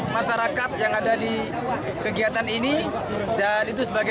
masyarakat yang ada di kegiatan ini dan itu sebagai